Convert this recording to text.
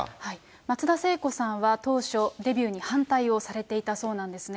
松田聖子さんは当初、デビューに反対をされていたそうなんですね。